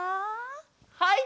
はい！